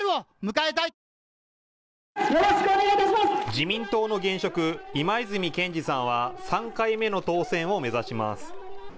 自民党の現職、今泉健司さんは３回目の当選を目指します。